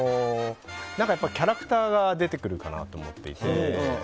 キャラクターが出てくるかなと思っていて。